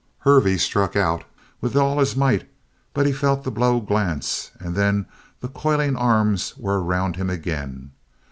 Hervey struck out with all his might but felt the blow glance and then the coiling arms were around him again.